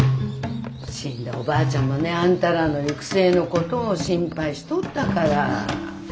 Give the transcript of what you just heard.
死んだおばあちゃんもねあんたらの行く末のことを心配しとったから。